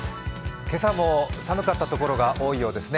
今朝も寒かったところが多いようですね。